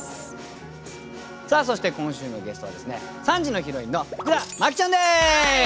そして今週のゲストはですね３時のヒロインの福田麻貴ちゃんです！